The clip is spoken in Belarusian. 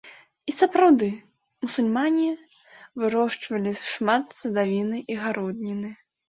І сапраўды, мусульмане вырошчвалі шмат садавіны і гародніны.